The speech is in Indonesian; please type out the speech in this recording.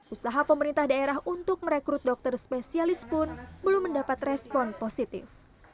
usaha pemerintah daerah untuk merekrut dokter spesialis pun belum mendapat respon positif